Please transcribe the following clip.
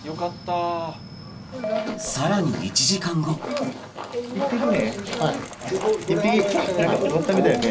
さらに１時間後１匹ね。